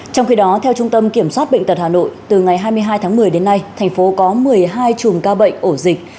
trong khi đó theo trung tâm kiểm soát bệnh tật hà nội từ ngày hai mươi hai tháng một mươi đến nay thành phố có một mươi hai chùm ca bệnh ổ dịch